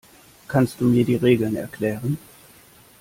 Kannst du mir die Regeln erklären?